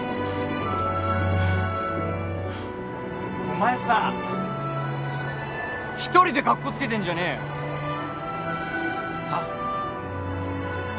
お前さ一人でかっこつけてんじゃねえよはっ？